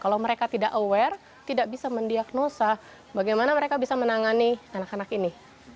kalau mereka tidak aware tidak bisa mendiagnosa bagaimana mereka bisa menangani anak anak ini